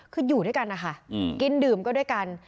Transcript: คืออยู่ด้วยกันนะคะกินดื่มก็ด้วยกัน